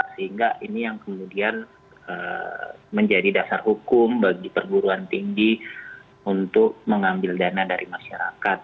sehingga ini yang kemudian menjadi dasar hukum bagi perguruan tinggi untuk mengambil dana dari masyarakat